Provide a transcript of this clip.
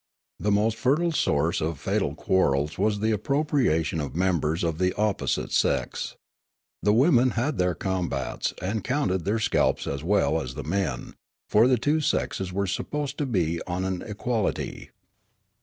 The most fertile source of fatal quarrels was the appropriation of members of the opposite sex. The women had their combats, and counted their scalps as well as the men, for the two sexes were supposed to be on an equality.